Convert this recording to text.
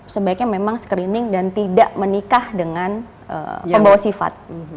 sebaiknya memang screening dan tidak menikah dengan pembawa sifat